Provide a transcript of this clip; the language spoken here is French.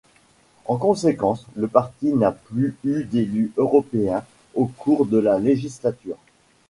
En conséquence, le parti n'a plus eu d'élu européen au cours de la législature.